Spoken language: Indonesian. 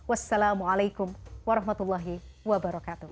wassalamualaikum warahmatullahi wabarakatuh